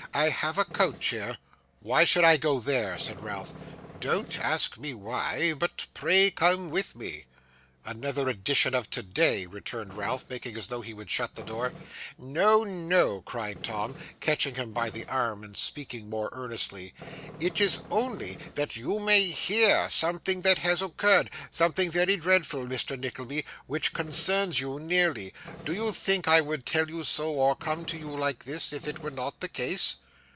I have a coach here.' 'Why should I go there?' said Ralph. 'Don't ask me why, but pray come with me.' 'Another edition of today!' returned Ralph, making as though he would shut the door. 'No, no!' cried Tim, catching him by the arm and speaking most earnestly; 'it is only that you may hear something that has occurred: something very dreadful, Mr. Nickleby, which concerns you nearly. Do you think I would tell you so or come to you like this, if it were not the case?